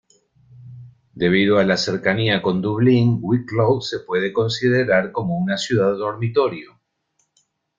Debido a la cercanía con Dublín, Wicklow se puede considerar como una ciudad dormitorio.